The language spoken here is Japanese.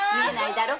だろ？